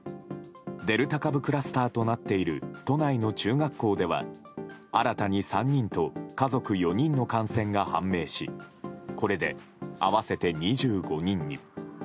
デルタ株クラスターとなっている都内の中学校では新たに３人と家族４人の感染が判明しこれで、合わせて２５人に。